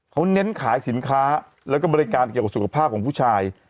เขาเน้นขายสินค้าแล้วก็บริการเกี่ยวกับสุขภาพของผู้ชาย